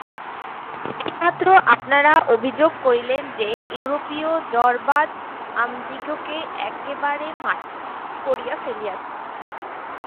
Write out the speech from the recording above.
এইমাত্র আপনারা অভিযোগ করিলেন যে, ইউরোপীয় জড়বাদ আমাদিগকে একেবারে মাটি করিয়া ফেলিয়াছে।